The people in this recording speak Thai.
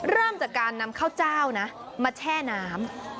เริ่มจากการนำข้าวเจ้านะมาแช่น้ำ